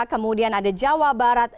kemudian ada jawa barat